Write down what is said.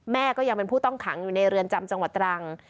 แม่ก็ยังเป็นผู้ต้องขังอยู่ในเรือนจำจังหวัดตรัง